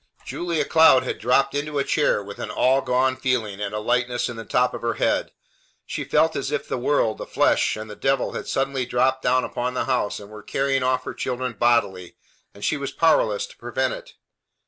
Julia Cloud had dropped into a chair with an all gone feeling and a lightness in the top of her head. She felt as if the world, the flesh, and the devil had suddenly dropped down upon the house and were carrying off her children bodily, and she was powerless to prevent it.